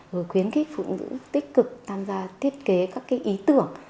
và khuyến khích phụ nữ tích cực tham gia thiết kế các ý tưởng